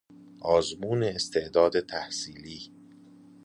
آزمون استعداد تحصیلی